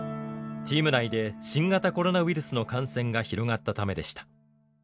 チーム内で新型コロナウイルスの感染が広がったためでした。